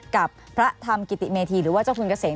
กับพระธรรมกิติเมธีหรือว่าเจ้าคุณเกษม